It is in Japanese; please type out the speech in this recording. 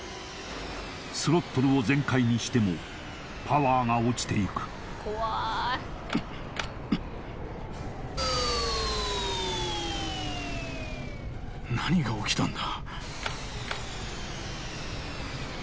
スロットルを全開にしてもパワーが落ちていく何が起きたんだ？